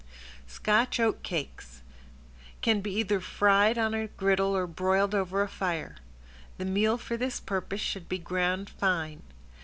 ~SCOTCH OAT CAKES~ Can be either fried on a griddle or broiled over a fire. The meal for this purpose should be ground fine.